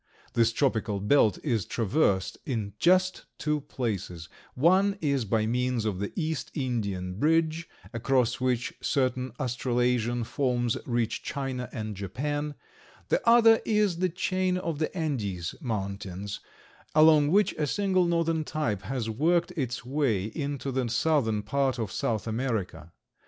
This tropical belt is traversed in just two places; one is by means of the East Indian bridge, across which certain Australasian forms reach China and Japan; the other is the chain of the Andes mountains, along which a single northern type has worked its way into the southern part of South America.